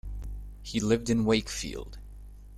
He lived in Wakefield.